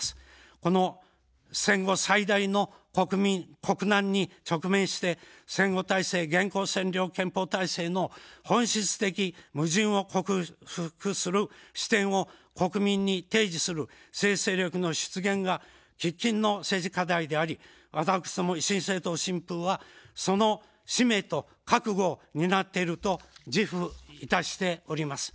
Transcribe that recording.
この戦後最大の国難に直面して、戦後体制現行占領憲法体制の本質的矛盾を克服する視点を国民に提示する政治勢力の出現が喫緊の政治課題であり、私ども維新政党・新風はその使命と覚悟を担っていると自負いたしております。